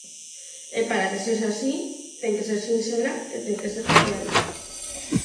E para que sexa así, ten que ser sinxela e ten que ser fiable.